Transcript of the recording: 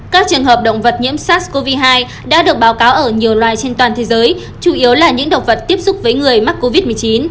các trường hợp động vật nhiễm sars cov hai đã được báo cáo ở nhiều loài trên toàn thế giới chủ yếu là những động vật tiếp xúc với người mắc covid một mươi chín